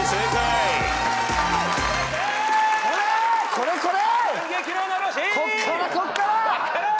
これこれ！